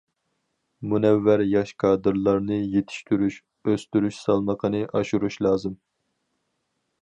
مۇنەۋۋەر ياش كادىرلارنى يېتىشتۈرۈش، ئۆستۈرۈش سالمىقىنى ئاشۇرۇش لازىم.